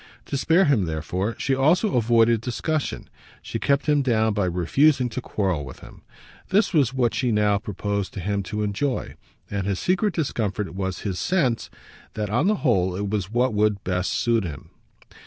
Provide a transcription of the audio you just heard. To spare him therefore she also avoided discussion; she kept him down by refusing to quarrel with him. This was what she now proposed to him to enjoy, and his secret discomfort was his sense that on the whole it was what would best suit him.